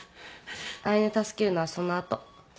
彩音助けるのはその後。